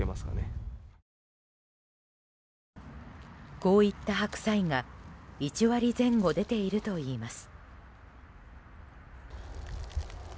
こういった白菜が１割前後出ているといいます。